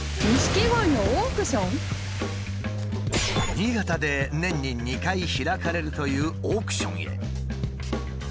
新潟で年に２回開かれるというオークションへ。